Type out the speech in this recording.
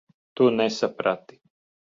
Tu nesaprati.